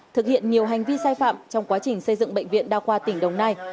thực hiện nhiều hành vi sai phạm trong quá trình xây dựng bệnh viện đa khoa tỉnh đồng nai